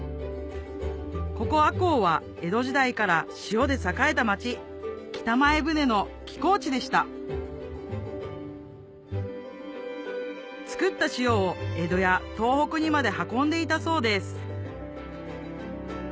ここ赤穂は江戸時代から塩で栄えた町北前船の寄港地でした作った塩を江戸や東北にまで運んでいたそうです